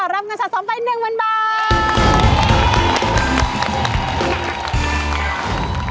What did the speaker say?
รับเงินสะสมไป๑๐๐๐บาท